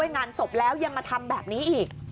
งานศพแล้วยังมาทำแบบนี้อีก